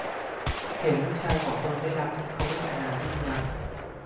เห็นลูกชายของตนได้รับทุกขเวทนายิ่งนัก